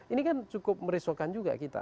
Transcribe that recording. ini kan cukup merisaukan juga kita